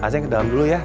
ceng ke dalam dulu ya